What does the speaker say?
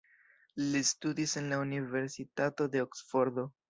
Li studis en la Universitato de Oksfordo.